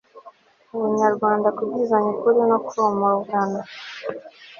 ubunyarwanda kubwizanya ukuri no komorana